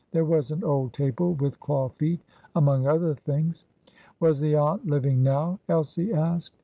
There was an old table with claw feet, among other things. "Was the aunt living now?" Elsie asked.